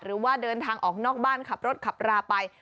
หรือว่าเดินทางออกนอกบ้านขับรถขับราไป